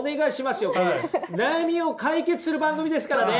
悩みを解決する番組ですからね！